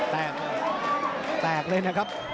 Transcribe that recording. แตกแตกเลยนะครับ